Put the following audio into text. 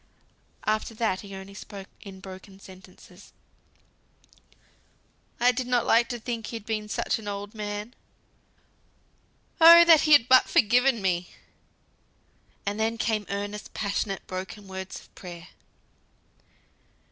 After that he only spoke in broken sentences. "I did not think he'd been such an old man, Oh! that he had but forgiven me," and then came earnest, passionate, broken words of prayer.